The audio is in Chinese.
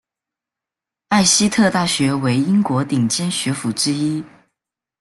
艾希特大学为英国顶尖学府之一。